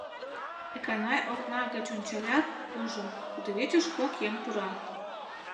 Эканай окна гыч ончалят, ужо: кудывечыш кок еҥ пура.